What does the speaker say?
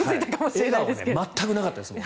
笑顔が全くなかったですけど。